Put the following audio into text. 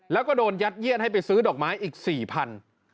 แล้วก็โดนยัดเยียดให้ไปซื้อดอกไม้อีก๔๐๐บาท